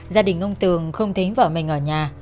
gia đình ông tường không thấy vợ mình ở nhà